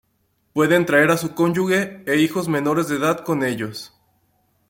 Pueden traer a su cónyuge e hijos menores de edad con ellos.